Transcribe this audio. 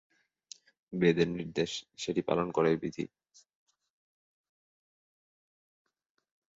বেদের যে নির্দেশ, সেটি পালন করাই বিধি।